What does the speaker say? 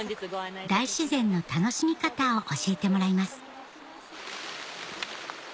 大自然の楽しみ方を教えてもらいます